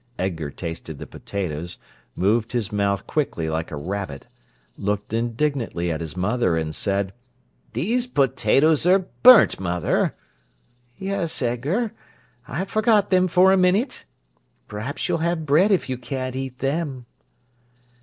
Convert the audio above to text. Edgar tasted the potatoes, moved his mouth quickly like a rabbit, looked indignantly at his mother, and said: "These potatoes are burnt, mother." "Yes, Edgar. I forgot them for a minute. Perhaps you'll have bread if you can't eat them."